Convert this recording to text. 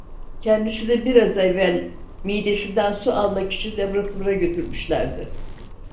Kendisini biraz evvel midesinden su almak için laboratuvara götürmüşlerdi.